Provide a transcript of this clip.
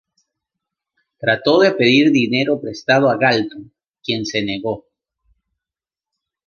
Trató de pedir dinero prestado a Galton, quien se negó.